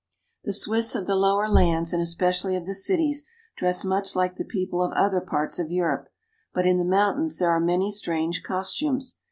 The Swiss of the lower lands, and especially of the cities, dress much like the people of other parts of Europe ; but in the mountains there are many strange costumes.